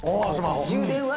充電は？